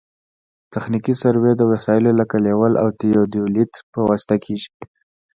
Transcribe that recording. تخنیکي سروې د وسایلو لکه لیول او تیودولیت په واسطه کیږي